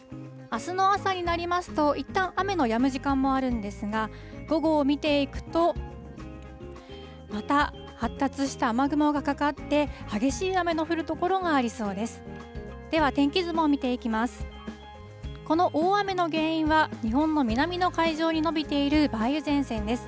あすの朝になりますと、いったん雨のやむ時間もあるんですが、午後を見ていくと、また発達した雨雲がかかって、激しい雨の降る所がありそうです。